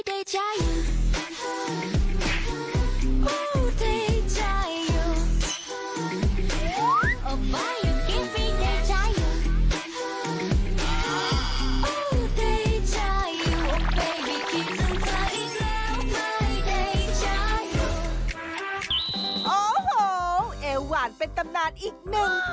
โอ้โหเอวหวานเป็นตำนานอีกหนึ่ง